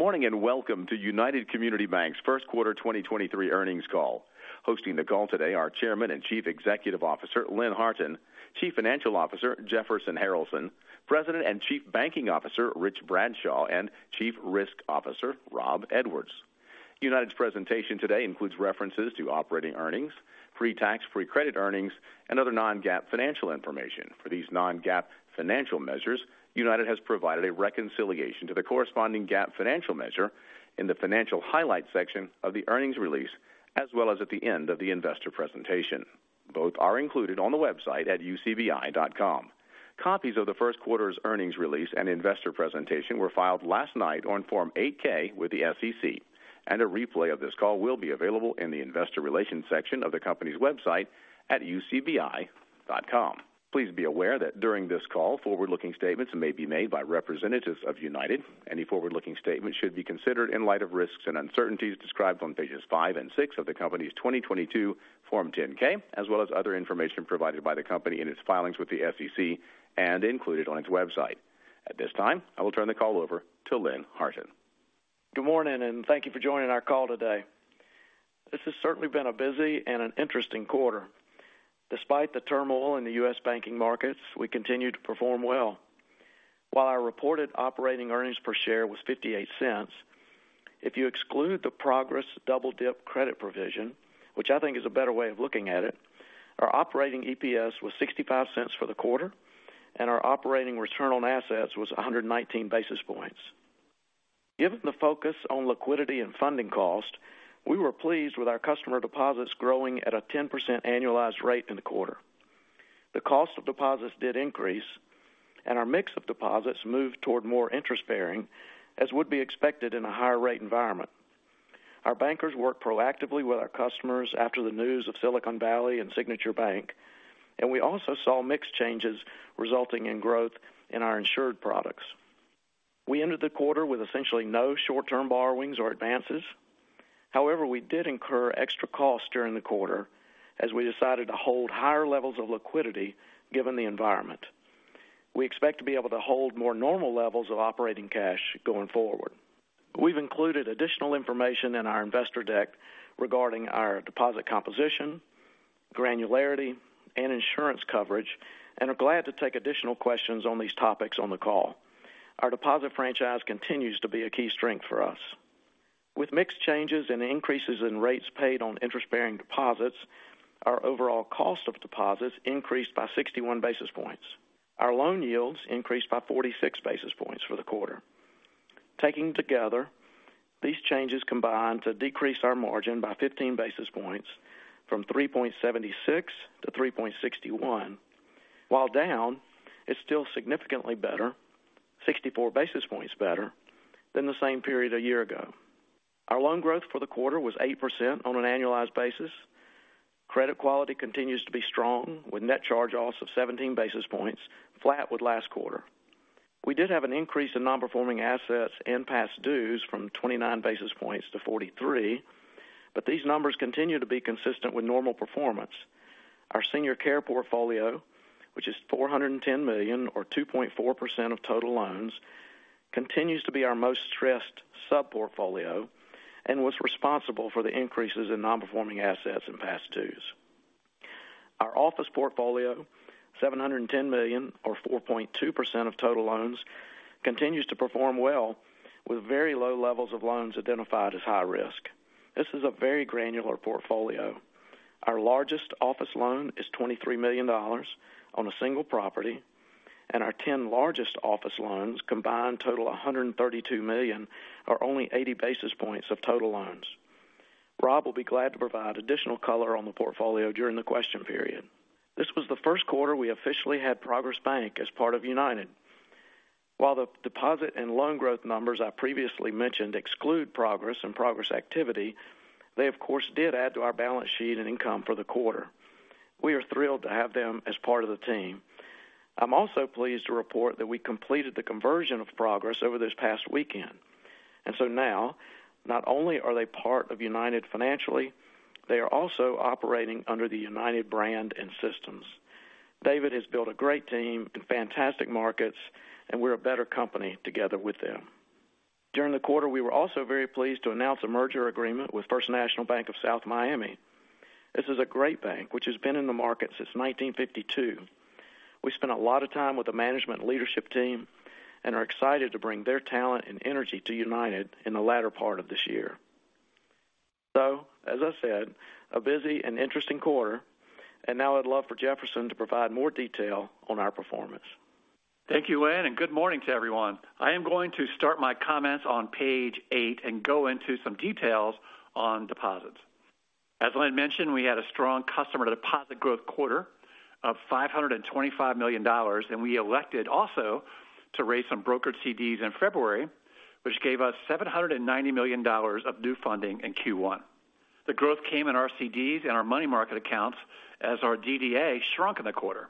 Good morning, and welcome to United Community Banks' First Quarter 2023 Earnings Call. Hosting the call today are Chairman and Chief Executive Officer, Lynn Harton, Chief Financial Officer, Jefferson Harralson, President and Chief Banking Officer, Rich Bradshaw, and Chief Risk Officer, Rob Edwards. United's presentation today includes references to operating earnings, pre-tax, pre-credit earnings, and other non-GAAP financial information. For these non-GAAP financial measures, United has provided a reconciliation to the corresponding GAAP financial measure in the financial highlights section of the earnings release, as well as at the end of the investor presentation. Both are included on the website at ucbi.com. Copies of the first quarter's earnings release and investor presentation were filed last night on Form 8-K with the SEC, and a replay of this call will be available in the investor relations section of the company's website at ucbi.com. Please be aware that during this call, forward-looking statements may be made by representatives of United. Any forward-looking statements should be considered in light of risks and uncertainties described on pages five and six of the company's 2022 Form 10-K, as well as other information provided by the company in its filings with the SEC and included on its website. At this time, I will turn the call over to Lynn Harton. Good morning. Thank you for joining our call today. This has certainly been a busy and an interesting quarter. Despite the turmoil in the U.S. banking markets, we continue to perform well. While our reported operating earnings per share was $0.58, if you exclude the Progress double-dip credit provision, which I think is a better way of looking at it, our operating EPS was $0.65 for the quarter, and our operating return on assets was 119 basis points. Given the focus on liquidity and funding cost, we were pleased with our customer deposits growing at a 10% annualized rate in the quarter. The cost of deposits did increase, and our mix of deposits moved toward more interest-bearing, as would be expected in a higher rate environment. Our bankers worked proactively with our customers after the news of Silicon Valley and Signature Bank. We also saw mix changes resulting in growth in our insured products. We ended the quarter with essentially no short-term borrowings or advances. However, we did incur extra costs during the quarter as we decided to hold higher levels of liquidity given the environment. We expect to be able to hold more normal levels of operating cash going forward. We've included additional information in our investor deck regarding our deposit composition, granularity, and insurance coverage, and a glad to take additional questions on these topics on the call. Our deposit franchise continues to be a key strength for us. With mix changes and increases in rates paid on interest-bearing deposits, our overall cost of deposits increased by 61 basis points. Our loan yields increased by 46 basis points for the quarter. Taking together, these changes combined to decrease our margin by 15 basis points from 3.76% to 3.61%. While down, it's still significantly better, 64 basis points better, than the same period a year ago. Our loan growth for the quarter was 8% on an annualized basis. Credit quality continues to be strong, with net charge loss of 17 basis points, flat with last quarter. We did have an increase in non-performing assets and past dues from 29 basis points to 43. These numbers continue to be consistent with normal performance. Our senior care portfolio, which is $410 million or 2.4% of total loans, continues to be our most stressed sub-portfolio and was responsible for the increases in non-performing assets and past dues. Our office portfolio, $710 million or 4.2% of total loans, continues to perform well with very low levels of loans identified as high risk. This is a very granular portfolio. Our largest office loan is $23 million on a single property. Our ten largest office loans combined total $132 million are only 80 basis points of total loans. Rob will be glad to provide additional color on the portfolio during the question period. This was the first quarter we officially had Progress Bank as part of United. While the deposit and loan growth numbers I previously mentioned exclude Progress and Progress activity, they of course, did add to our balance sheet and income for the quarter. We are thrilled to have them as part of the team. I'm also pleased to report that we completed the conversion of Progress over this past weekend. Now, not only are they part of United financially, they are also operating under the United brand and systems. David has built a great team in fantastic markets, and we're a better company together with them. During the quarter, we were also very pleased to announce a merger agreement with First National Bank of South Miami. This is a great bank, which has been in the market since 1952. We spent a lot of time with the management leadership team and are excited to bring their talent and energy to United in the latter part of this year. As I said, a busy and interesting quarter. Now I'd love for Jefferson to provide more detail on our performance. Thank you, Lynn. Good morning to everyone. I am going to start my comments on page 8 and go into some details on deposits. As Lynn mentioned, we had a strong customer deposit growth quarter of $525 million, and we elected also to raise some brokered CDs in February, which gave us $790 million of new funding in Q1. The growth came in our CDs and our money market accounts as our DDA shrunk in the quarter.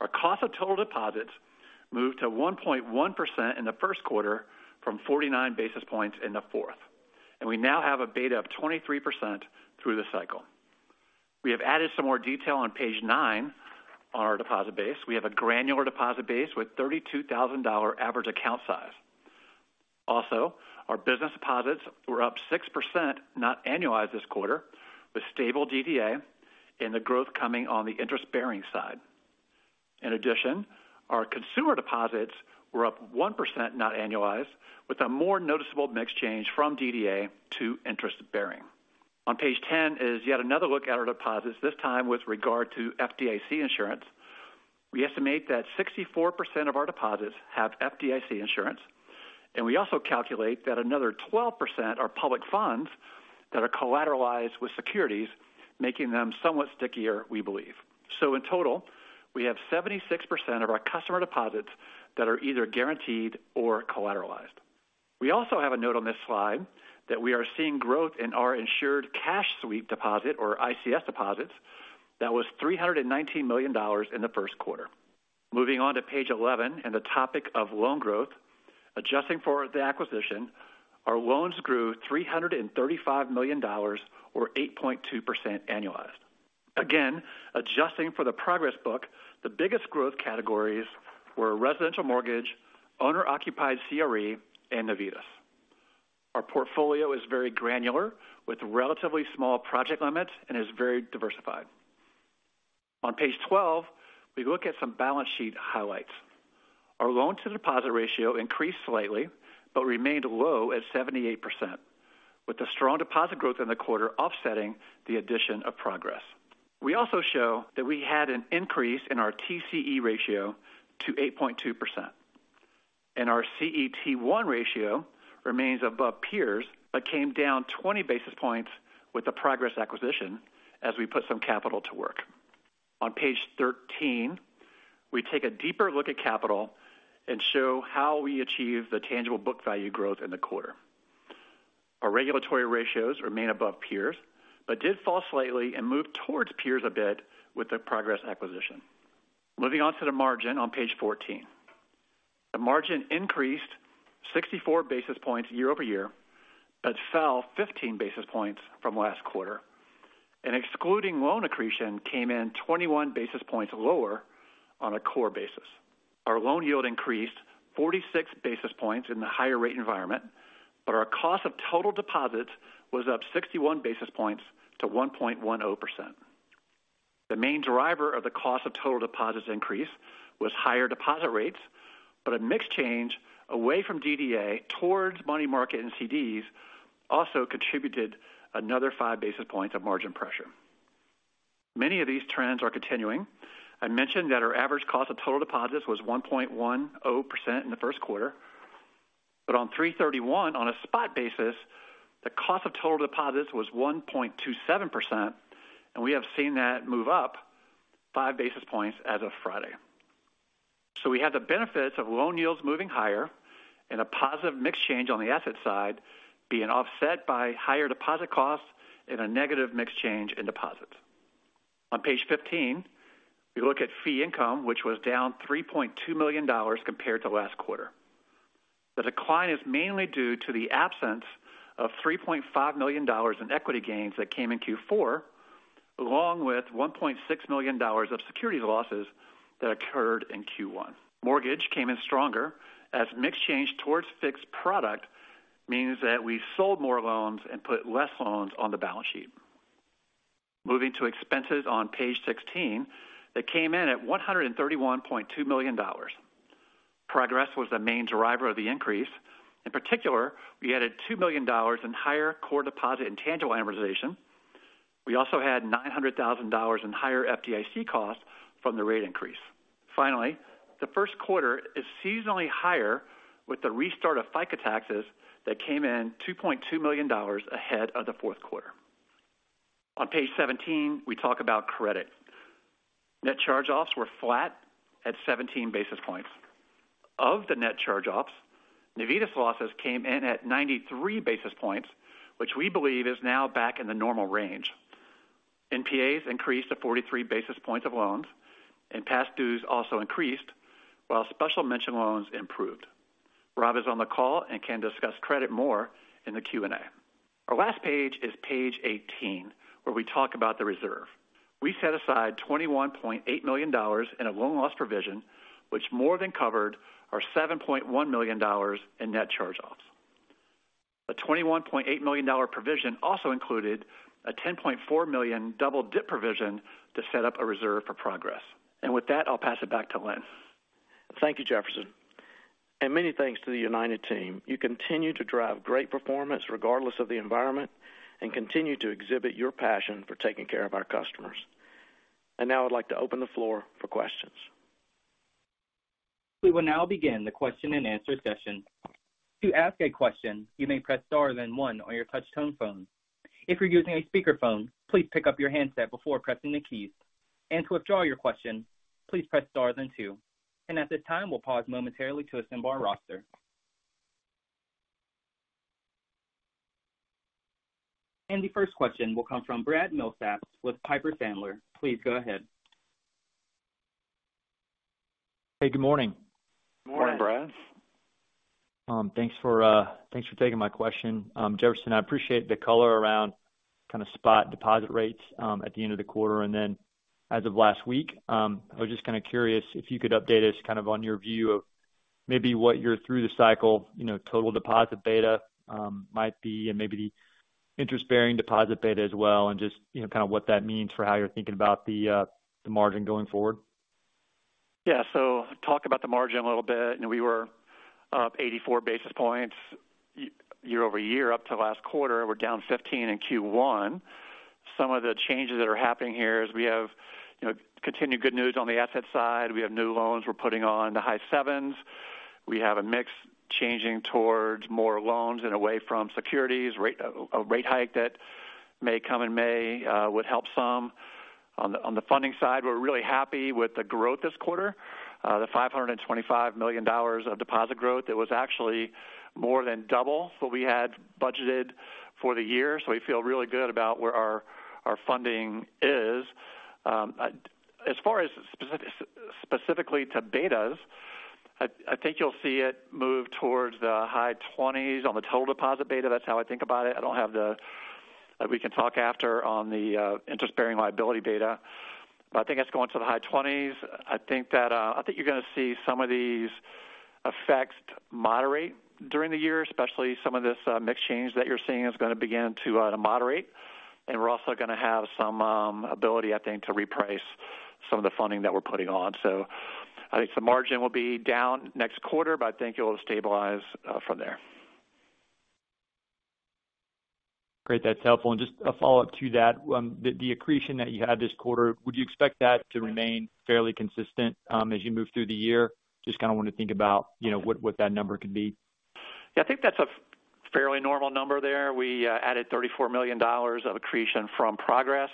Our cost of total deposits moved to 1.1% in the first quarter from 49 basis points in the fourth. We now have a beta of 23% through the cycle. We have added some more detail on page 9 on our deposit base. We have a granular deposit base with $32,000 average account size. Our business deposits were up 6%, not annualized this quarter, with stable DDA and the growth coming on the interest-bearing side. In addition, our consumer deposits were up 1%, not annualized, with a more noticeable mix change from DDA to interest-bearing. On page 10 is yet another look at our deposits, this time with regard to FDIC insurance. We estimate that 64% of our deposits have FDIC insurance, and we also calculate that another 12% are public funds that are collateralized with securities, making them somewhat stickier, we believe. In total, we have 76% of our customer deposits that are either guaranteed or collateralized. We also have a note on this slide that we are seeing growth in our insured cash sweep deposit or ICS deposits that was $319 million in the first quarter. Moving on to page 11 and the topic of loan growth. Adjusting for the acquisition, our loans grew $335 million or 8.2% annualized. Again, adjusting for the Progress book, the biggest growth categories were residential mortgage, owner-occupied CRE and Navitas. Our portfolio is very granular, with relatively small project limits and is very diversified. On page 12, we look at some balance sheet highlights. Our loan to deposit ratio increased slightly, but remained low at 78%, with the strong deposit growth in the quarter offsetting the addition of Progress. We also show that we had an increase in our TCE ratio to 8.2%. Our CET1 ratio remains above peers, but came down 20 basis points with the Progress acquisition as we put some capital to work. On page 13, we take a deeper look at capital and show how we achieve the tangible book value growth in the quarter. Our regulatory ratios remain above peers, but did fall slightly and move towards peers a bit with the Progress acquisition. Moving on to the margin on page 14. The margin increased 64 basis points year-over-year, but fell 15 basis points from last quarter, and excluding loan accretion came in 21 basis points lower on a core basis. Our loan yield increased 46 basis points in the higher rate environment, but our cost of total deposits was up 61 basis points to 1.10%. The main driver of the cost of total deposits increase was higher deposit rates, a mix change away from DDA towards money market and CDs also contributed another 5 basis points of margin pressure. Many of these trends are continuing. I mentioned that our average cost of total deposits was 1.10% in the first quarter, on 3/31 on a spot basis, the cost of total deposits was 1.27%, we have seen that move up 5 basis points as of Friday. We have the benefits of loan yields moving higher and a positive mix change on the asset side being offset by higher deposit costs and a negative mix change in deposits. On page 15, we look at fee income, which was down $3.2 million compared to last quarter. The decline is mainly due to the absence of $3.5 million in equity gains that came in Q4, along with $1.6 million of security losses that occurred in Q1. Mortgage came in stronger as mix change towards fixed product means that we sold more loans and put less loans on the balance sheet. Moving to expenses on page 16, that came in at $131.2 million. Progress was the main driver of the increase. In particular, we added $2 million in higher core deposit and tangible amortization. We also had $900,000 in higher FDIC costs from the rate increase. Finally, the first quarter is seasonally higher with the restart of FICA taxes that came in $2.2 million ahead of the fourth quarter. On page 17, we talk about credit. Net charge-offs were flat at 17 basis points. Of the net charge-offs, Navitas losses came in at 93 basis points, which we believe is now back in the normal range. NPAs increased to 43 basis points of loans and past dues also increased, while special mention loans improved. Rob is on the call and can discuss credit more in the Q&A. Our last page is page 18, where we talk about the reserve. We set aside $21.8 million in a loan loss provision, which more than covered our $7.1 million in net charge-offs. The $21.8 million provision also included a $10.4 million double-dip provision to set up a reserve for Progress. With that, I'll pass it back to Lynn. Thank you, Jefferson. Many thanks to the United Team. You continue to drive great performance regardless of the environment and continue to exhibit your passion for taking care of our customers. Now I'd like to open the floor for questions. We will now begin the question and answer session. To ask a question, you may press star then one on your touch tone phone. If you're using a speakerphone, please pick up your handset before pressing the keys. To withdraw your question, please press stars and two. At this time, we'll pause momentarily to assemble our roster. The first question will come from Brad Millsap with Piper Sandler. Please go ahead Hey, good morning. Morning, Brad. Thanks for taking my question. Jefferson, I appreciate the color around kind of spot deposit rates at the end of the quarter. Then as of last week, I was just kind of curious if you could update us kind of on your view of maybe what you're through the cycle, you know, total deposit beta might be and maybe the interest-bearing deposit beta as well. Just, you know, kind of what that means for how you're thinking about the margin going forward. Yeah. Talk about the margin a little bit. We were up 84 basis points year-over-year up to last quarter. We're down 15 in Q1. Some of the changes that are happening here is we have, you know, continued good news on the asset side. We have new loans we're putting on the high sevens. We have a mix changing towards more loans and away from securities. Rate, a rate hike that may come in May, would help some. On the funding side, we're really happy with the growth this quarter, the $525 million of deposit growth. That was actually more than double what we had budgeted for the year. We feel really good about where our funding is. As far as specifically to betas, I think you'll see it move towards the high 20s on the total deposit beta. That's how I think about it. I don't have. We can talk after on the interest-bearing liability beta, but I think that's going to the high 20s. I think that you're gonna see some of these effects moderate during the year, especially some of this mix change that you're seeing is gonna begin to moderate. We're also gonna have some ability, I think, to reprice some of the funding that we're putting on. I think the margin will be down next quarter, but I think it will stabilize from there. Great. That's helpful. Just a follow-up to that. The accretion that you had this quarter, would you expect that to remain fairly consistent, as you move through the year? Just kind of want to think about, you know, what that number could be. I think that's a fairly normal number there. We added $34 million of accretion from Progress.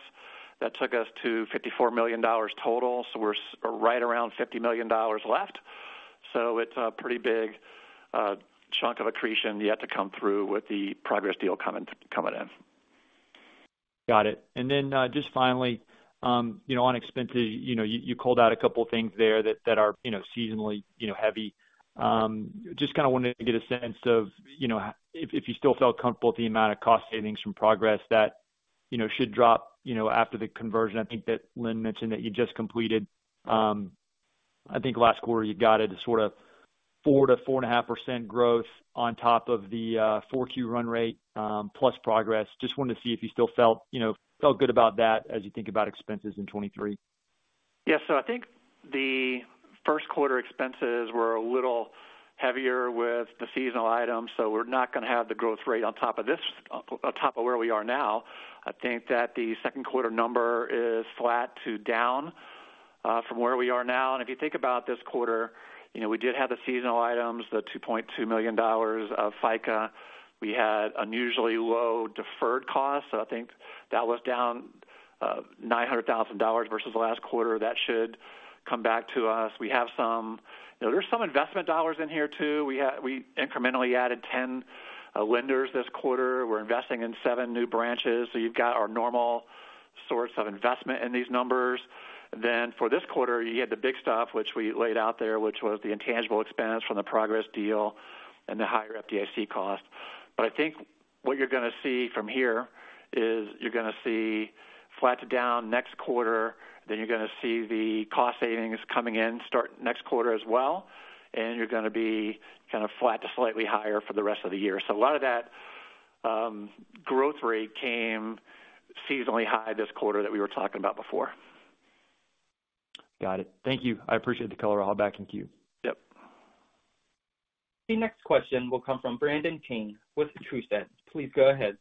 That took us to $54 million total, we're right around $50 million left. It's a pretty big chunk of accretion yet to come through with the Progress deal coming in. Got it. Then, just finally, you know, on expenses, you called out a couple of things there that are, you know, seasonally, you know, heavy. Just kind of wanted to get a sense of, you know, if you still felt comfortable with the amount of cost savings from Progress that, you know, should drop, you know, after the conversion. I think that Lynn mentioned that you just completed. I think last quarter you guided sort of 4% to 4.5% growth on top of the 4Q run rate, plus Progress. Just wanted to see if you still felt, you know, felt good about that as you think about expenses in 23. Yeah. I think the first quarter expenses were a little heavier with the seasonal items, so we're not gonna have the growth rate on top of this, on top of where we are now. I think that the second quarter number is flat to down from where we are now. If you think about this quarter, you know, we did have the seasonal items, the $2.2 million of FICA. We had unusually low deferred costs. I think that was down $900,000 versus the last quarter. That should come back to us. You know, there's some investment dollars in here too. We incrementally added 10 lenders this quarter. We're investing in seven new branches. You've got our normal source of investment in these numbers. For this quarter, you had the big stuff which we laid out there, which was the intangible expense from the Progress deal and the higher FDIC cost. I think what you're gonna see from here is you're gonna see flat to down next quarter, then you're gonna see the cost savings coming in start next quarter as well, and you're gonna be kind of flat to slightly higher for the rest of the year. A lot of that growth rate came seasonally high this quarter that we were talking about before. Got it. Thank you. I appreciate the color. I'll back in queue. Yep. The next question will come from Brandon King with Truist. Please go ahead.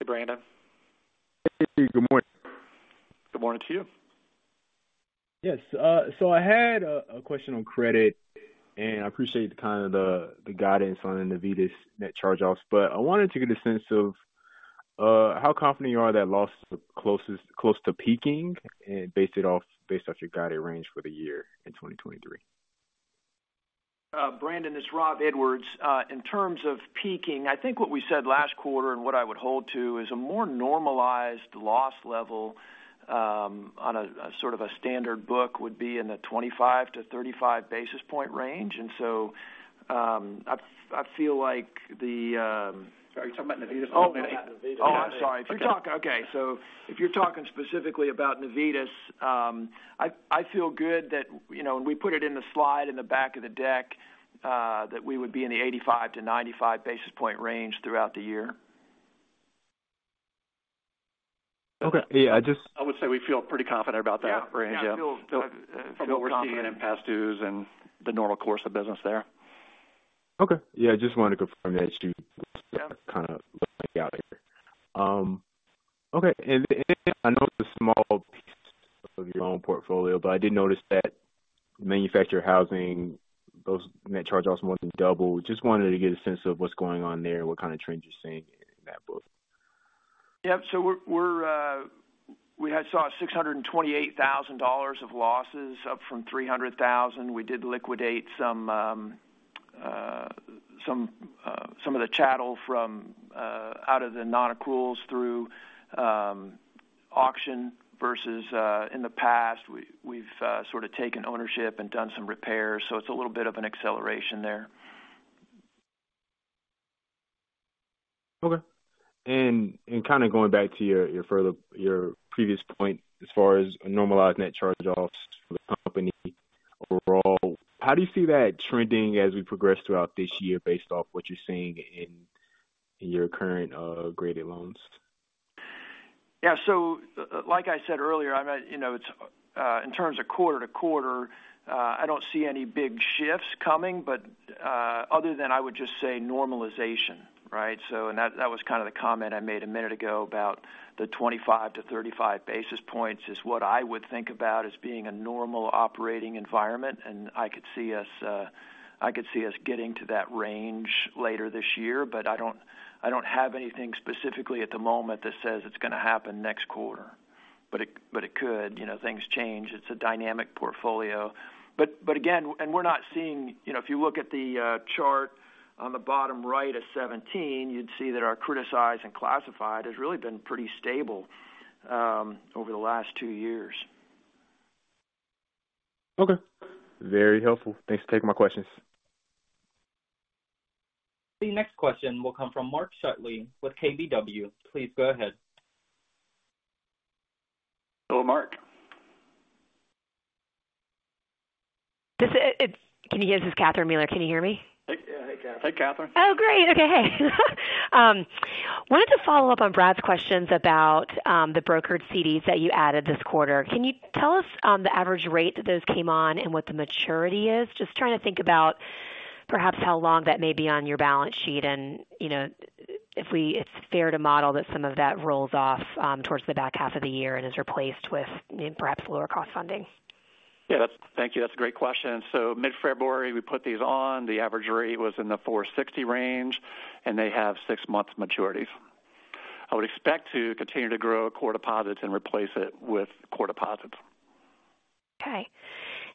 Hey, Brandon. Good morning. Good morning to you. Yes. I had a question on credit, and I appreciate kind of the guidance on the Navitas net charge-offs. I wanted to get a sense of how confident you are that loss is close to peaking and based off your guided range for the year in 2023. Brandon, this is Rob Edwards. In terms of peaking, I think what we said last quarter and what I would hold to is a more normalized loss level, on a sort of a standard book would be in the 25-35 basis point range. I feel like the. Sorry, you're talking about Navitas. Oh. Talking about Navitas. Oh, I'm sorry. If you're talking specifically about Navitas, I feel good that, you know, when we put it in the slide in the back of the deck, that we would be in the 85 to 95 basis point range throughout the year. Okay. Yeah, I. I would say we feel pretty confident about that range, yeah. Yeah. From what we're seeing in past dues and the normal course of business there. Okay. Yeah, just wanted to confirm that you kind of look out here. Okay. I know it's a small piece of your loan portfolio, but I did notice that manufactured housing, those net charge-offs more than doubled. Just wanted to get a sense of what's going on there and what kind of trends you're seeing in that book. Yep. We had saw $628,000 of losses, up from $300,000. We did liquidate some of the chattel from out of the nonaccruals through auction versus in the past. We've sort of taken ownership and done some repairs, so it's a little bit of an acceleration there. Okay. Kind of going back to your previous point as far as normalized net charge-offs for the company overall, how do you see that trending as we progress throughout this year based off what you're seeing in your current graded loans? Yeah. Like I said earlier, I'm at, you know, it's in terms of quarter to quarter, I don't see any big shifts coming, but other than I would just say normalization, right? That, that was kind of the comment I made a minute ago about the 25-35 basis points is what I would think about as being a normal operating environment. I could see us, I could see us getting to that range later this year, but I don't, I don't have anything specifically at the moment that says it's gonna happen next quarter. It could. You know, things change. It's a dynamic portfolio. Again, we're not seeing you know, if you look at the chart on the bottom right of 17, you'd see that our criticized and classified has really been pretty stable over the last two years. Okay. Very helpful. Thanks for taking my questions. The next question will come from Catherine Mealor with KBW. Please go ahead. Hello, Mark. Can you hear? This is Catherine Mealor. Can you hear me? Hey. Hey, Catherine. Oh, great. Okay. Hey. Wanted to follow up on Brad's questions about the brokered CDs that you added this quarter. Can you tell us the average rate that those came on and what the maturity is? Just trying to think about perhaps how long that may be on your balance sheet and, you know, it's fair to model that some of that rolls off towards the back half of the year and is replaced with perhaps lower cost funding. Yeah, thank you. That's a great question. Mid-February, we put these on. The average rate was in the 4.60% range, and they have six-month maturities. I would expect to continue to grow core deposits and replace it with core deposits. Okay.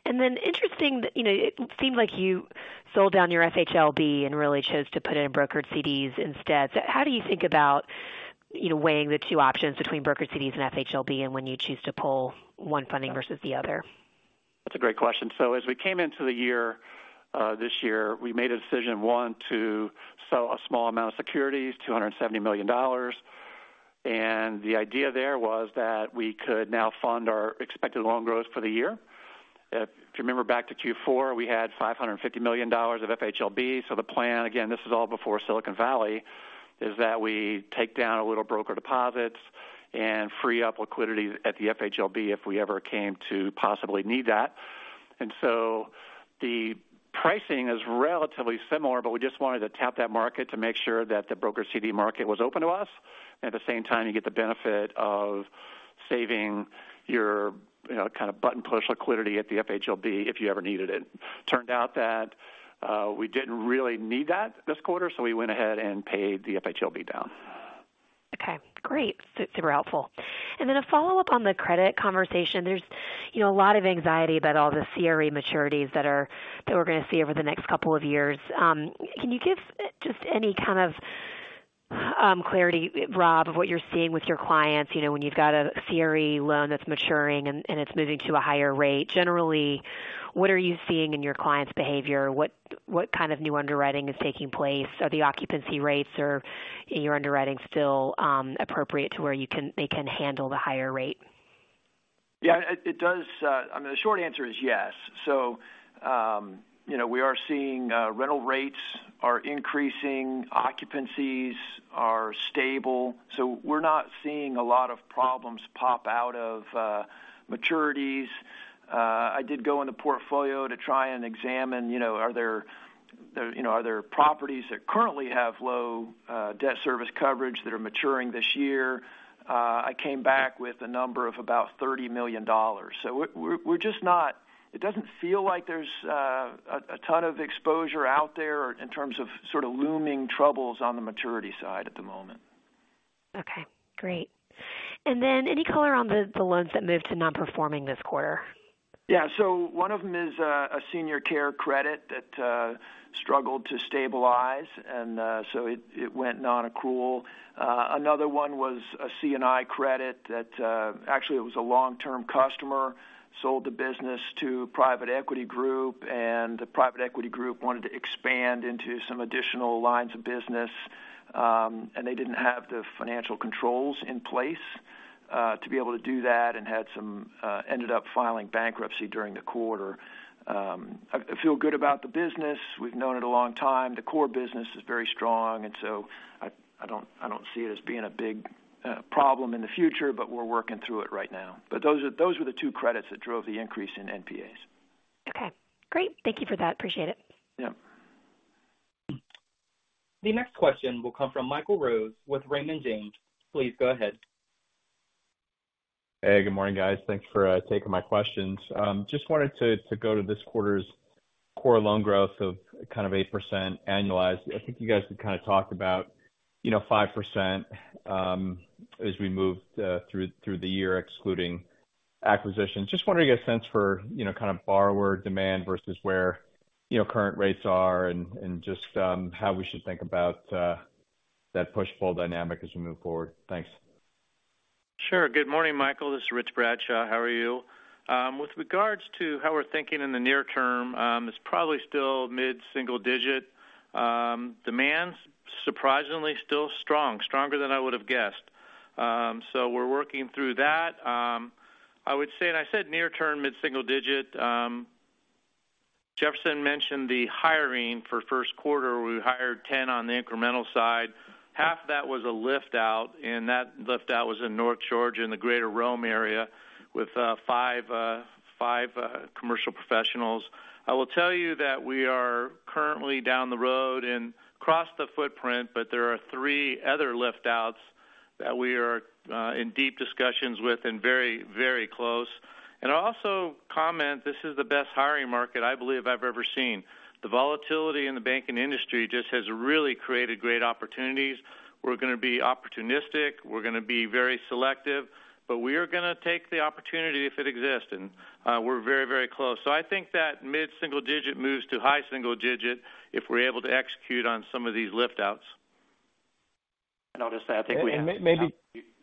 Interesting that, you know, it seemed like you sold down your FHLB and really chose to put in brokered CDs instead. How do you think about, you know, weighing the two options between brokered CDs and FHLB and when you choose to pull one funding versus the other? That's a great question. As we came into the year, this year, we made a decision, one, to sell a small amount of securities, $270 million. The idea there was that we could now fund our expected loan growth for the year. If you remember back to Q4, we had $550 million of FHLB. The plan, again, this was all before Silicon Valley, is that we take down a little broker deposits and free up liquidity at the FHLB if we ever came to possibly need that. The pricing is relatively similar, but we just wanted to tap that market to make sure that the broker CD market was open to us. At the same time, you get the benefit of saving your, you know, kind of button push liquidity at the FHLB if you ever needed it. Turned out that we didn't really need that this quarter, so we went ahead and paid the FHLB down. Okay, great. Super helpful. A follow-up on the credit conversation. There's, you know, a lot of anxiety about all the CRE maturities that we're gonna see over the next couple of years. Can you give just any kind of clarity, Rob, of what you're seeing with your clients? You know, when you've got a CRE loan that's maturing and it's moving to a higher rate, generally, what are you seeing in your clients' behavior? What kind of new underwriting is taking place? Are the occupancy rates or your underwriting still appropriate to where they can handle the higher rate? It does. I mean, the short answer is yes. You know, we are seeing rental rates are increasing, occupancies are stable. We're not seeing a lot of problems pop out of maturities. I did go in the portfolio to try and examine, you know, are there, you know, are there properties that currently have low debt service coverage that are maturing this year? I came back with a number of about $30 million. It doesn't feel like there's a ton of exposure out there in terms of sort of looming troubles on the maturity side at the moment. Okay, great. Any color on the loans that moved to non-performing this quarter? Yeah. One of them is a senior care credit that struggled to stabilize, and so it went nonaccrual. Another one was a C&I credit that actually it was a long-term customer, sold the business to a private equity group, and the private equity group wanted to expand into some additional lines of business. They didn't have the financial controls in place to be able to do that and had some, ended up filing bankruptcy during the quarter. I feel good about the business. We've known it a long time. The core business is very strong, I don't see it as being a big problem in the future, but we're working through it right now. Those are the two credits that drove the increase in NPAs. Okay, great. Thank you for that. Appreciate it. Yeah. The next question will come from Michael Rose with Raymond James. Please go ahead. Hey, good morning, guys. Thanks for taking my questions. Just wanted to go to this quarter's core loan growth of kind of 8% annualized. I think you guys had kind of talked about, you know, 5%, as we moved through the year, excluding Acquisition. Just wondering to get a sense for, you know, kind of borrower demand versus where, you know, current rates are and just how we should think about that push-pull dynamic as we move forward. Thanks. Sure. Good morning, Michael. This is Rich Bradshaw. How are you? With regards to how we're thinking in the near term, it's probably still mid-single digit. Demand's surprisingly still strong, stronger than I would have guessed. We're working through that. I would say, and I said near term, mid-single digit. Jefferson mentioned the hiring for first quarter. We hired 10 on the incremental side. Half that was a lift out, and that lift out was in North Georgia in the Greater Rome area with 5 commercial professionals. I will tell you that we are currently down the road and across the footprint, but there are 3 other lift outs that we are in deep discussions with and very, very close. I also comment this is the best hiring market I believe I've ever seen. The volatility in the banking industry just has really created great opportunities. We're gonna be opportunistic. We're gonna be very selective, but we are gonna take the opportunity if it exists. We're very, very close. I think that mid-single digit moves to high single digit if we're able to execute on some of these lift outs. I'll just add, I think we... Maybe-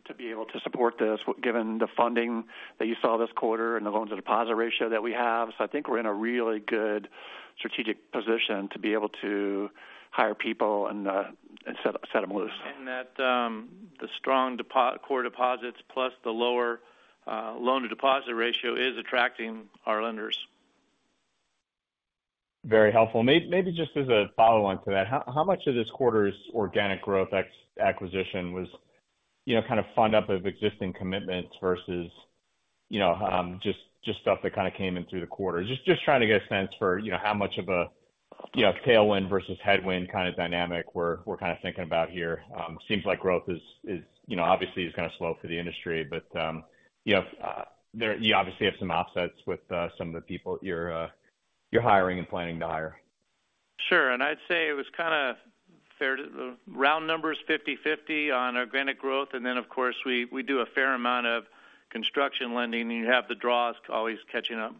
To be able to support this, given the funding that you saw this quarter and the loans to deposit ratio that we have. I think we're in a really good strategic position to be able to hire people and set them loose. The strong core deposits plus the lower loan to deposit ratio is attracting our lenders. Very helpful. Maybe just as a follow on to that, how much of this quarter's organic growth acquisition was, you know, kind of fund up of existing commitments versus, you know, just stuff that kind of came in through the quarter? Just trying to get a sense for, you know, how much of a, you know, tailwind versus headwind kind of dynamic we're kind of thinking about here. Seems like growth is, you know, obviously is kind of slow for the industry, but you have, you obviously have some offsets with some of the people you're hiring and planning to hire. Sure. I'd say it was kind of fair to the round numbers, 50/50 on organic growth. Then, of course, we do a fair amount of construction lending, and you have the draws always catching up.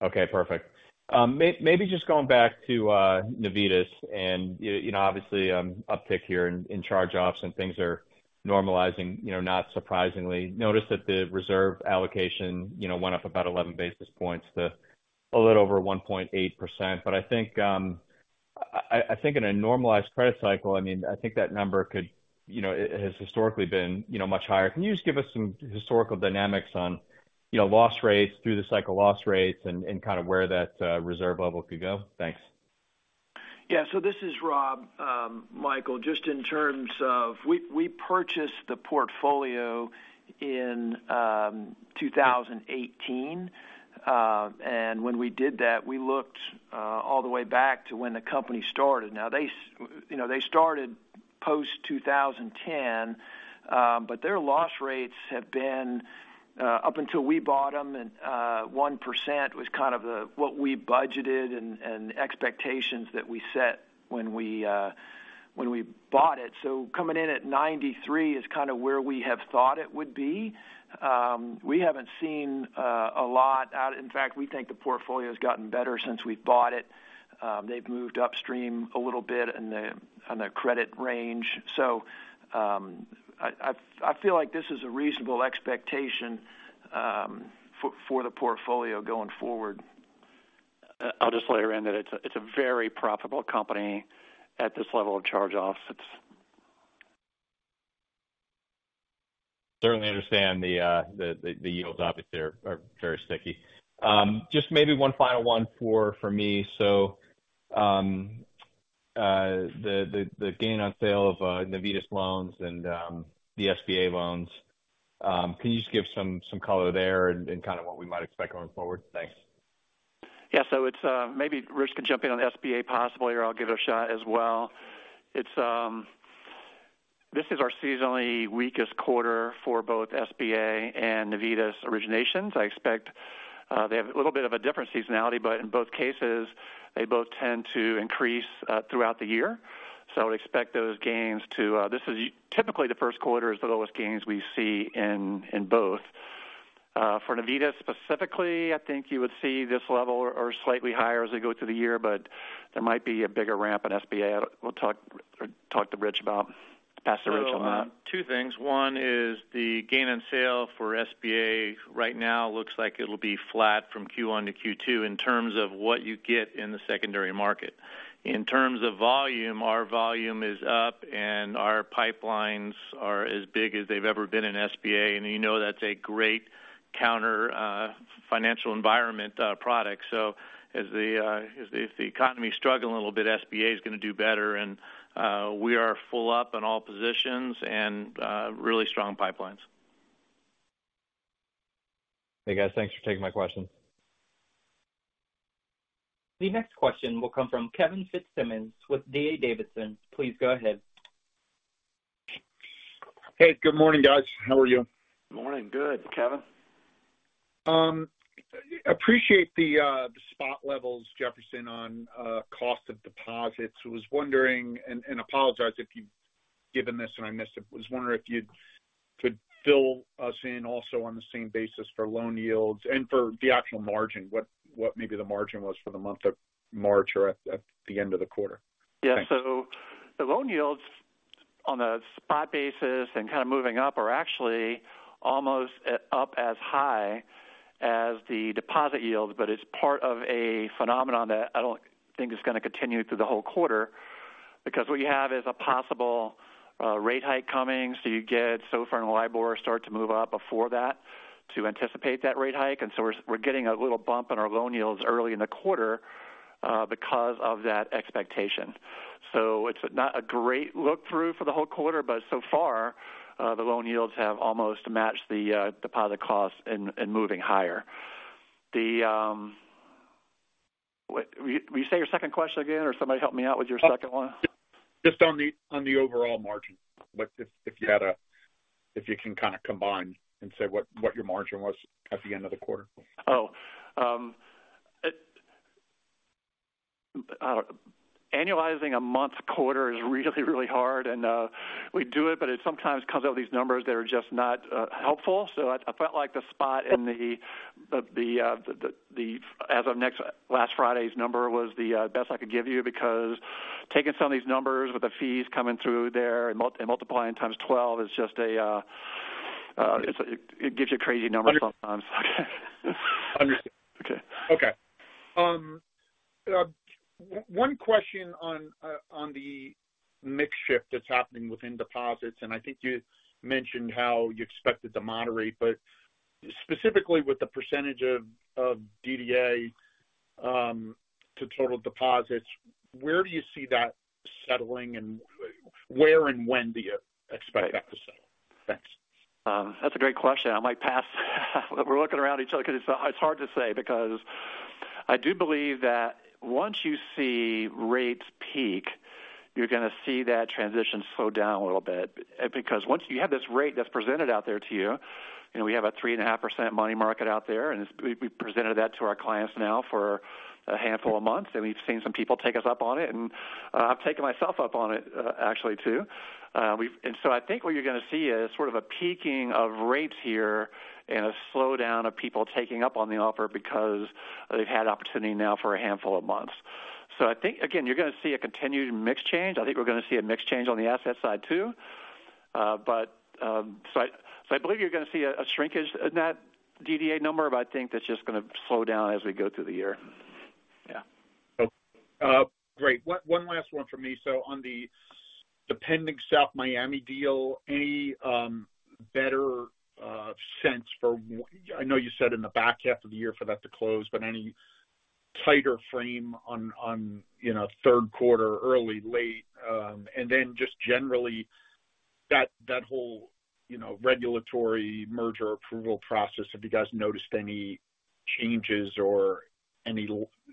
Okay, perfect. Just going back to Navitas and, you know, obviously, uptick here in charge offs and things are normalizing, you know, not surprisingly. Notice that the reserve allocation, you know, went up about 11 basis points to a little over 1.8%. I think in a normalized credit cycle, I mean, I think that number could. You know, it has historically been, you know, much higher. Can you just give us some historical dynamics on, you know, loss rates through the cycle loss rates and kind of where that reserve level could go? Thanks. Yeah. This is Rob. Michael, just in terms of we purchased the portfolio in 2018. When we did that, we looked all the way back to when the company started. Now, they you know, they started post 2010, their loss rates have been up until we bought them and 1% was kind of the what we budgeted and expectations that we set when we bought it. Coming in at 93 is kind of where we have thought it would be. We haven't seen a lot out. In fact, we think the portfolio's gotten better since we've bought it. They've moved upstream a little bit on the credit range. I feel like this is a reasonable expectation for the portfolio going forward. I'll just layer in that it's a, it's a very profitable company at this level of charge offs. Certainly understand the yields obviously are very sticky. Just maybe one final one for me. The gain on sale of Navitas loans and the SBA loans, can you just give some color there and kind of what we might expect going forward? Thanks. Yeah. Maybe Rich can jump in on SBA possibly, or I'll give it a shot as well. This is our seasonally weakest quarter for both SBA and Navitas originations. I expect, they have a little bit of a different seasonality, but in both cases, they both tend to increase, throughout the year. I would expect those gains to, this is typically the first quarter is the lowest gains we see in both. For Navitas specifically, I think you would see this level or slightly higher as we go through the year, but there might be a bigger ramp in SBA. We'll pass to Rich on that. Two things. One is the gain on sale for SBA right now looks like it'll be flat from Q1 to Q2 in terms of what you get in the secondary market. In terms of volume, our volume is up and our pipelines are as big as they've ever been in SBA, and you know that's a great counter financial environment product. As if the economy is struggling a little bit, SBA is gonna do better. We are full up in all positions and really strong pipelines. Hey, guys. Thanks for taking my question. The next question will come from Kevin Fitzsimmons with D.A. Davidson. Please go ahead. Hey, good morning, guys. How are you? Morning. Good, Kevin. Appreciate the spot levels, Jefferson, on cost of deposits. Was wondering and apologize if you've given this and I missed it. Was wondering if you could fill us in also on the same basis for loan yields and for the actual margin, what maybe the margin was for the month of March or at the end of the quarter. The loan yields on a spot basis and kind of moving up are actually almost up as high as the deposit yields, but it's part of a phenomenon that I don't think is going to continue through the whole quarter because what you have is a possible rate hike coming. You get SOFR and LIBOR start to move up before that to anticipate that rate hike. We're getting a little bump in our loan yields early in the quarter because of that expectation. It's not a great look-through for the whole quarter, but so far, the loan yields have almost matched the deposit costs and moving higher. The, will you say your second question again or somebody help me out with your second one? Just on the overall margin, like if you can kind of combine and say what your margin was at the end of the quarter? Annualizing a month to quarter is really, really hard, and we do it, but it sometimes comes out with these numbers that are just not helpful. I felt like the spot in the as of last Friday's number was the best I could give you because taking some of these numbers with the fees coming through there and multiplying times 12 is just it gives you crazy numbers sometimes. Understood. Okay. One question on the mix shift that's happening within deposits. I think you mentioned how you expect it to moderate. Specifically with the % of DDA to total deposits, where do you see that settling and where and when do you expect that to settle? Thanks. That's a great question. I might pass. We're looking around each other because it's hard to say because I do believe that once you see rates peak, you're going to see that transition slow down a little bit. Once you have this rate that's presented out there to you know, we have a 3.5% money market out there, and we've presented that to our clients now for a handful of months, and we've seen some people take us up on it, and I've taken myself up on it, actually, too. I think what you're going to see is sort of a peaking of rates here and a slowdown of people taking up on the offer because they've had opportunity now for a handful of months. I think, again, you're going to see a continued mix change. I think we're going to see a mix change on the asset side, too. I believe you're going to see a shrinkage in that DDA number, but I think that's just going to slow down as we go through the year. Yeah. Great. One last one for me. On the pending South Miami deal, any better sense for, I know you said in the back half of the year for that to close, but any tighter frame on, you know, third quarter early, late? Just generally that whole, you know, regulatory merger approval process, have you guys noticed any changes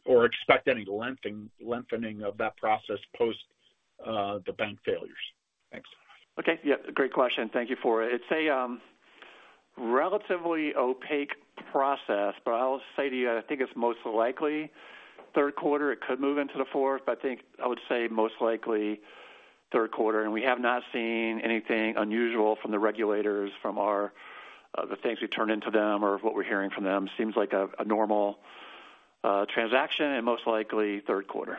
or expect any lengthening of that process post the bank failures? Thanks. Okay. Yeah, great question. Thank you for it. It's a relatively opaque process, but I'll say to you, I think it's most likely third quarter. It could move into the fourth, but I think I would say most likely third quarter. We have not seen anything unusual from the regulators, from our, the things we turn into them or what we're hearing from them. Seems like a normal transaction and most likely third quarter.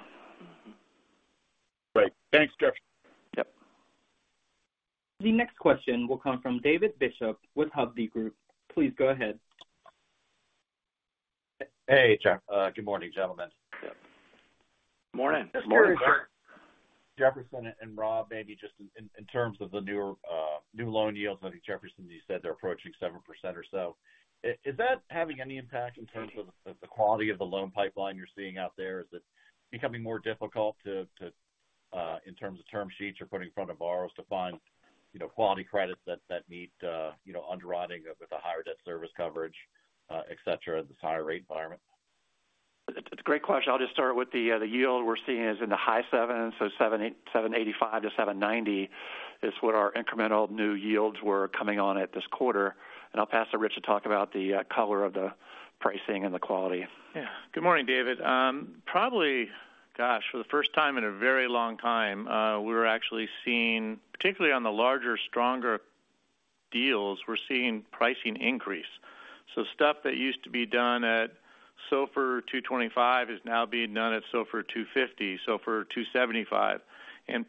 Great. Thanks, Jefferson. Yep. The next question will come from David Bishop with Hovde Group. Please go ahead. Hey, Jeff. Good morning, gentlemen. Morning. Morning. Jefferson and Rob, maybe just in terms of the newer, new loan yields. I think Jefferson, you said they're approaching 7% or so. Is that having any impact in terms of the quality of the loan pipeline you're seeing out there? Is it becoming more difficult to in terms of term sheets you're putting in front of borrowers to find, you know, quality credits that meet, you know, underwriting with a higher debt service coverage, et cetera, this higher rate environment? It's a great question. I'll just start with the yield we're seeing is in the high 7%. 7.85%-7.90% is what our incremental new yields were coming on at this quarter. I'll pass to Rich to talk about the color of the pricing and the quality. Yeah. Good morning, David. Probably, gosh, for the first time in a very long time, we're actually seeing, particularly on the larger, stronger deals, we're seeing pricing increase. Stuff that used to be done at SOFR 225 is now being done at SOFR 250, SOFR 275.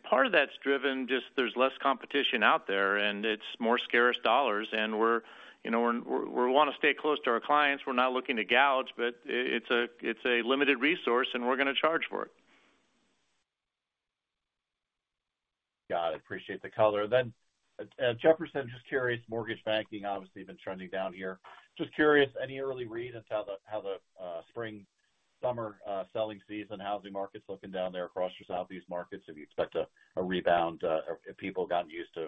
Part of that's driven just there's less competition out there, and it's more scarce dollars. We're, you know, we want to stay close to our clients. We're not looking to gouge, but it's a limited resource, and we're going to charge for it. Got it. Appreciate the color. Jefferson, just curious, mortgage banking, obviously been trending down here. Just curious, any early read into how the spring, summer, selling season housing market's looking down there across your Southeast markets? Do you expect a rebound, if people have gotten used to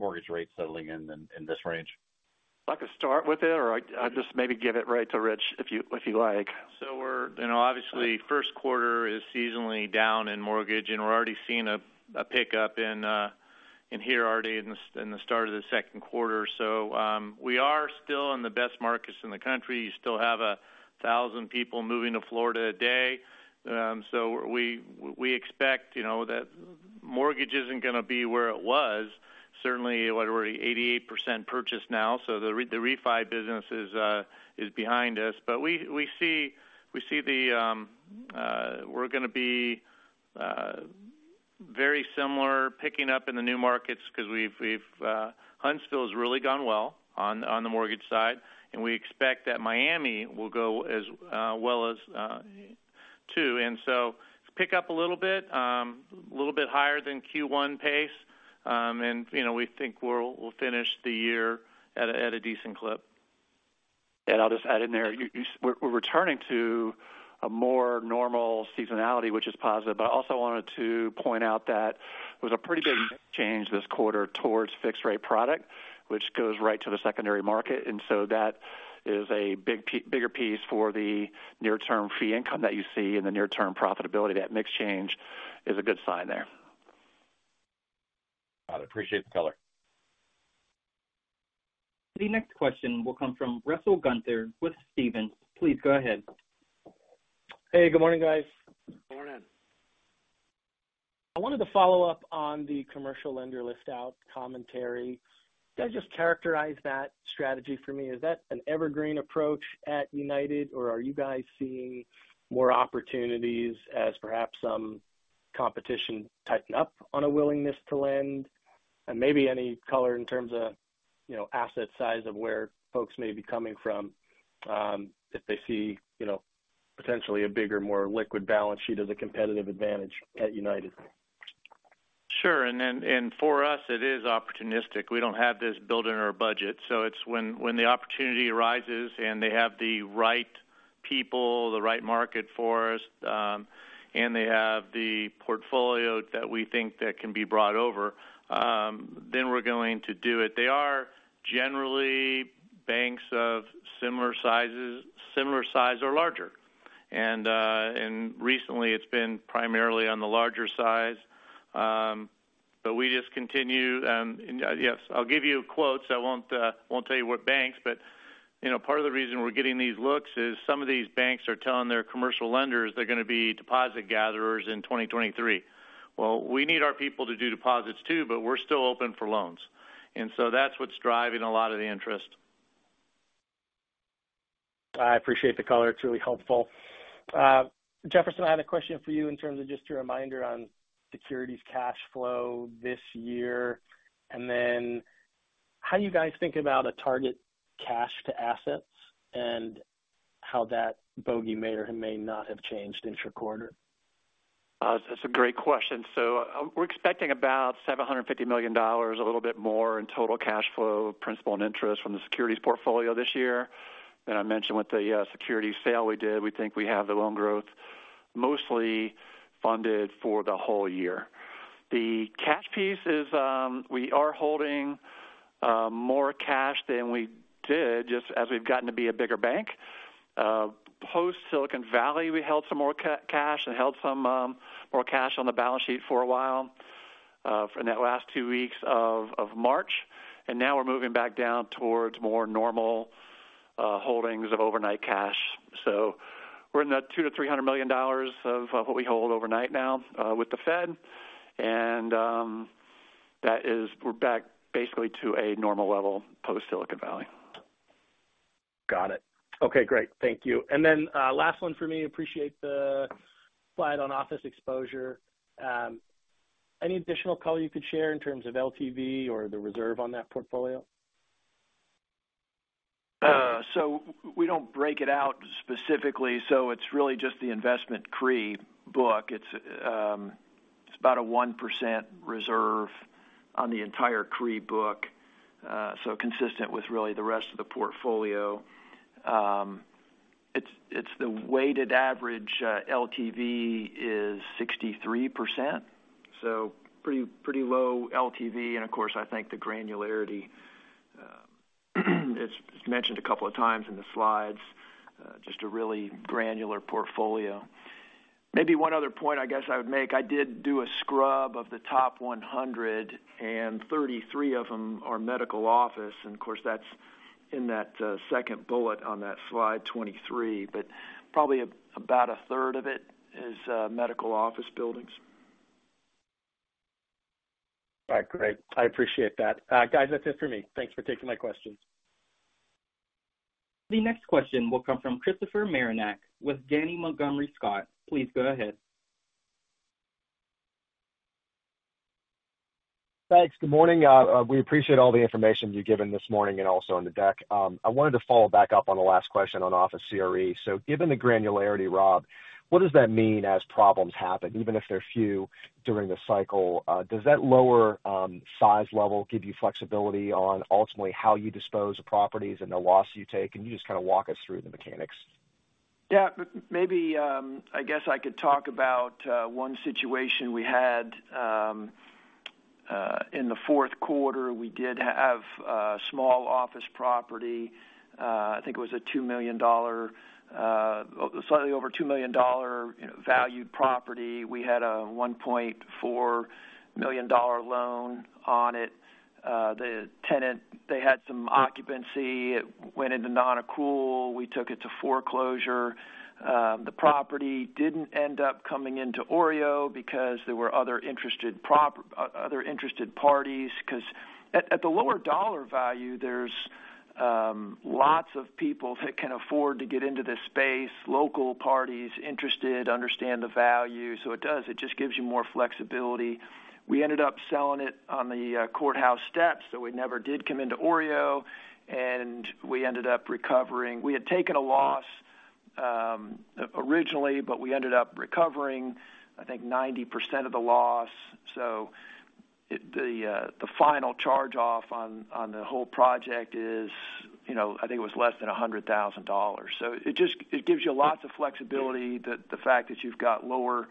mortgage rates settling in this range? I'd like to start with it, or I'd just maybe give it right to Rich, if you, if you like. We're, you know, obviously first quarter is seasonally down in mortgage, and we're already seeing a pickup in. Here already in the start of the second quarter. We are still in the best markets in the country. You still have 1,000 people moving to Florida a day. We expect, you know, that mortgage isn't gonna be where it was. Certainly, what are we, 88% purchase now, the refi business is behind us. We see we're gonna be very similar picking up in the new markets because Huntsville has really gone well on the mortgage side, and we expect that Miami will go as well as too. Pick up a little bit a little bit higher than Q1 pace. You know, we think we'll finish the year at a decent clip. I'll just add in there. We're returning to a more normal seasonality, which is positive. I also wanted to point out that there was a pretty big change this quarter towards fixed rate product, which goes right to the secondary market. That is a bigger piece for the near term fee income that you see in the near term profitability. That mix change is a good sign there. Got it. Appreciate the color. The next question will come from Russell Gunther with Stephens. Please go ahead. Hey, good morning, guys. Good morning. I wanted to follow up on the commercial lender list out commentary. Can I just characterize that strategy for me? Is that an evergreen approach at United, or are you guys seeing more opportunities as perhaps some competition tighten up on a willingness to lend? Maybe any color in terms of, you know, asset size of where folks may be coming from, if they see, you know, potentially a bigger, more liquid balance sheet as a competitive advantage at United. Sure. For us, it is opportunistic. We don't have this built in our budget. It's when the opportunity arises and they have the right people, the right market for us, and they have the portfolio that we think that can be brought over, then we're going to do it. They are generally banks of similar sizes, similar size or larger. Recently it's been primarily on the larger size. We just continue. Yes, I'll give you quotes. I won't tell you what banks, but, you know, part of the reason we're getting these looks is some of these banks are telling their commercial lenders they're gonna be deposit gatherers in 2023. We need our people to do deposits too, but we're still open for loans. That's what's driving a lot of the interest. I appreciate the color. It's really helpful. Jefferson, I had a question for you in terms of just a reminder on securities cash flow this year, and then how you guys think about a target cash to assets and how that bogey may or may not have changed inter-quarter. That's a great question. We're expecting about $750 million, a little bit more in total cash flow, principal, and interest from the securities portfolio this year. I mentioned with the securities sale we did, we think we have the loan growth mostly funded for the whole year. The cash piece is, we are holding more cash than we did just as we've gotten to be a bigger bank. Post Silicon Valley, we held some more cash and held some more cash on the balance sheet for a while, in that last two weeks of March. Now we're moving back down towards more normal holdings of overnight cash. We're in that $200 million-$300 million of what we hold overnight now with the Fed. That is we're back basically to a normal level post Silicon Valley. Got it. Okay, great. Thank you. Last one for me. Appreciate the slide on office exposure. Any additional color you could share in terms of LTV or the reserve on that portfolio? We don't break it out specifically, so it's really just the investment CRE book. It's about a 1% reserve on the entire CRE book, so consistent with really the rest of the portfolio. It's the weighted average, LTV is 63%, so pretty low LTV. Of course, I think the granularity, it's mentioned a couple of times in the slides, just a really granular portfolio. Maybe one other point I guess I would make, I did do a scrub of the top 133 of them are medical office, and of course that's in that, second bullet on that slide 23. Probably about a third of it is medical office buildings. All right, great. I appreciate that. guys, that's it for me. Thanks for taking my questions. The next question will come from Christopher Marinac with Janney Montgomery Scott. Please go ahead. Thanks. Good morning. We appreciate all the information you've given this morning and also in the deck. I wanted to follow back up on the last question on office CRE. Given the granularity, Rob, what does that mean as problems happen, even if they're few during the cycle? Does that lower size level give you flexibility on ultimately how you dispose the properties and the loss you take? Can you just kind of walk us through the mechanics? Yeah. Maybe, I guess I could talk about, one situation we had. In the fourth quarter, we did have small office property. I think it was a $2 million, slightly over $2 million, you know, valued property. We had a $1.4 million loan on it. The tenant, they had some occupancy. It went into non-accrual. We took it to foreclosure. The property didn't end up coming into OREO because there were other interested parties. At the lower dollar value, there's lots of people that can afford to get into this space. Local parties interested understand the value, so it does. It just gives you more flexibility. We ended up selling it on the courthouse steps, so we never did come into OREO, and we ended up recovering. We had taken a loss originally. We ended up recovering, I think, 90% of the loss. The final charge-off on the whole project is, you know, I think it was less than $100,000. It just gives you lots of flexibility. The fact that you've got lower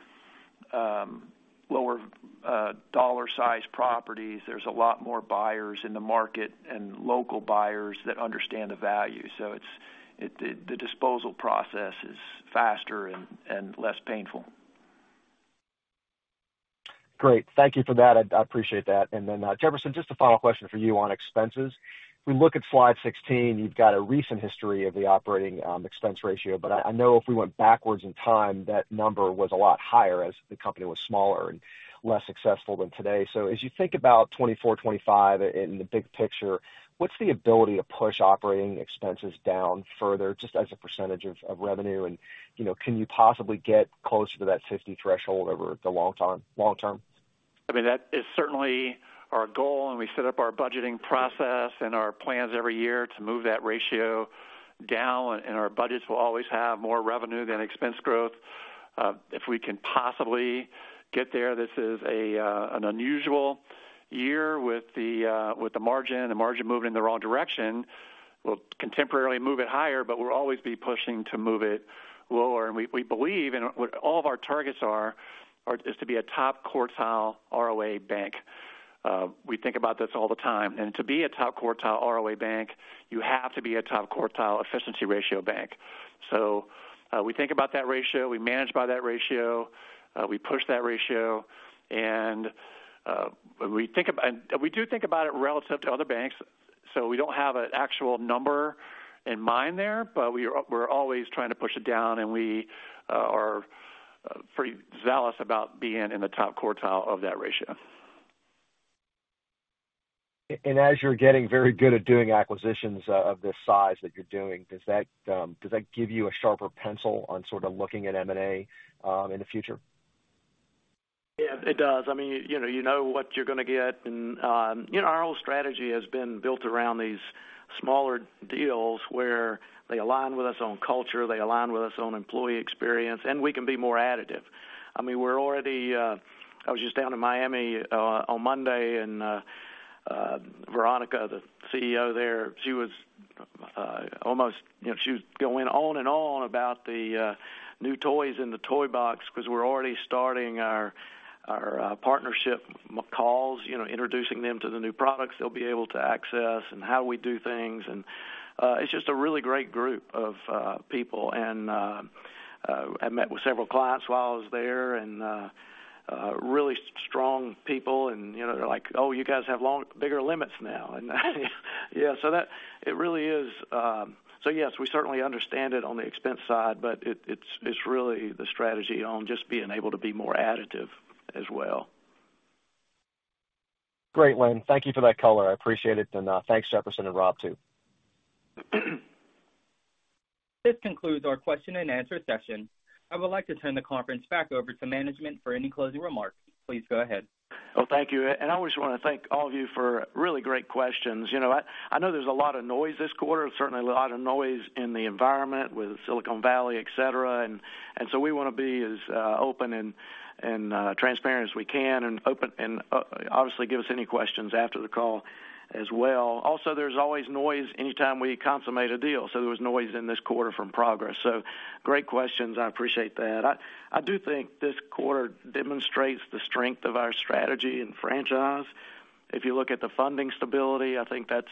dollar-sized properties, there's a lot more buyers in the market and local buyers that understand the value. The disposal process is faster and less painful. Great. Thank you for that. I appreciate that. Jefferson, just a final question for you on expenses. If we look at slide 16, you've got a recent history of the operating expense ratio. I know if we went backwards in time, that number was a lot higher as the company was smaller and less successful than today. As you think about 2024, 2025 in the big picture, what's the ability to push operating expenses down further just as a percentage of revenue? you know, can you possibly get closer to that 50 threshold over the long time, long term? I mean, that is certainly our goal. We set up our budgeting process and our plans every year to move that ratio down. Our budgets will always have more revenue than expense growth. If we can possibly get there, this is an unusual year with the margin moving in the wrong direction. We'll contemporarily move it higher. We'll always be pushing to move it lower. We believe and what all of our targets are is to be a top quartile ROA bank. We think about this all the time. To be a top quartile ROA bank, you have to be a top quartile efficiency ratio bank. We think about that ratio. We manage by that ratio. We push that ratio. We do think about it relative to other banks, so we don't have an actual number in mind there, but we're always trying to push it down, and we are pretty zealous about being in the top quartile of that ratio. As you're getting very good at doing acquisitions of this size that you're doing, does that, does that give you a sharper pencil on sort of looking at M&A in the future? Yeah, it does. I mean, you know, you know what you're gonna get. You know, our whole strategy has been built around these smaller deals where they align with us on culture, they align with us on employee experience, and we can be more additive. I mean, we're already. I was just down in Miami on Monday, and Veronica, the CEO there, she was almost, you know, she was going on and on about the new toys in the toy box because we're already starting our partnership calls, you know, introducing them to the new products they'll be able to access and how we do things. It's just a really great group of people. I met with several clients while I was there, and, really strong people and, you know, they're like, "Oh, you guys have long, bigger limits now." Yeah, so that. It really is. Yes, we certainly understand it on the expense side, but it's really the strategy on just being able to be more additive as well. Great, Lynn. Thank you for that color. I appreciate it. Thanks Jefferson and Rob too. This concludes our question and answer session. I would like to turn the conference back over to management for any closing remarks. Please go ahead. I always wanna thank all of you for really great questions. You know, I know there's a lot of noise this quarter and certainly a lot of noise in the environment with Silicon Valley, et cetera. We wanna be as open and transparent as we can and obviously give us any questions after the call as well. Also, there's always noise anytime we consummate a deal. There was noise in this quarter from Progress. Great questions, and I appreciate that. I do think this quarter demonstrates the strength of our strategy and franchise. If you look at the funding stability, I think that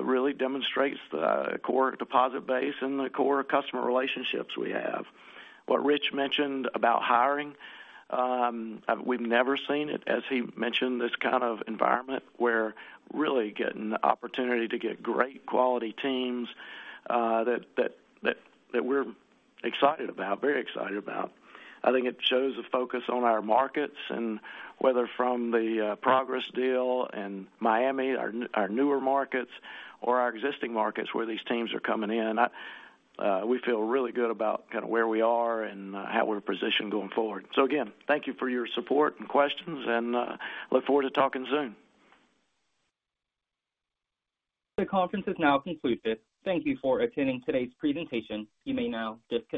really demonstrates the core deposit base and the core customer relationships we have. What Rich mentioned about hiring, we've never seen it, as he mentioned, this kind of environment. We're really getting the opportunity to get great quality teams, that we're excited about, very excited about. I think it shows the focus on our markets and whether from the Progress deal and Miami, our newer markets or our existing markets where these teams are coming in. We feel really good about kind of where we are and how we're positioned going forward. Again, thank you for your support and questions, and look forward to talking soon. The conference is now concluded. Thank you for attending today's presentation. You may now disconnect.